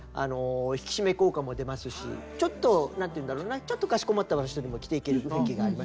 引き締め効果も出ますしちょっと何ていうんだろうなちょっとかしこまった場所にも着ていける雰囲気がありますよね？